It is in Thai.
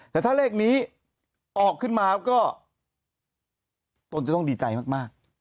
แต่ถ้าเลขนี้ออกขึ้นมาก็ตนจะต้องดีใจมาก